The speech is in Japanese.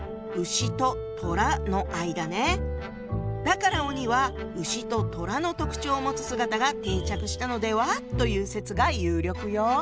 だから鬼はうしととらの特徴を持つ姿が定着したのでは？という説が有力よ。